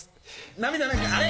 涙なんかあれ？